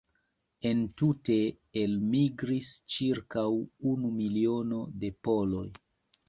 Entute elmigris ĉirkaŭ unu miliono de poloj.